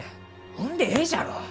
ほんでえいじゃろう！